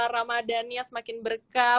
ramadhan nya semakin berkah